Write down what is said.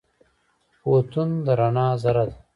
فوتون د رڼا ذره ده.